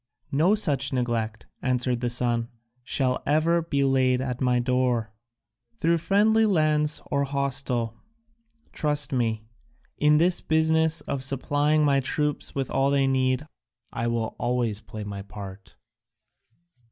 "No such neglect," answered the son, "shall ever be laid at my door. Through friendly lands or hostile, trust me, in this business of supplying my troops with all they need I will always play my part."